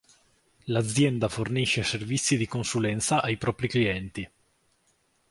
L'azienda fornisce servizi di consulenza ai propri clienti.